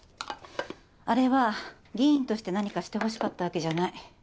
あれは議員として何かしてほしかったわけじゃない。